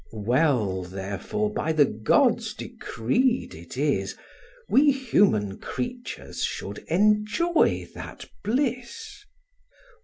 Well therefore by the gods decreed it is, We human creatures should enjoy that bliss.